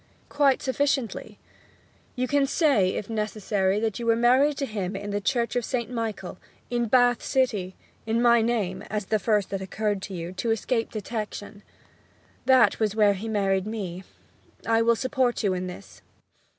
'Quite sufficiently. You can say, if necessary, that you were married to him at the church of St. Michael, in Bath City, in my name, as the first that occurred to you, to escape detection. That was where he married me. I will support you in this.'